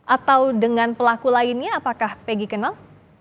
atau dengan pelaku lainnya apakah peggy kenal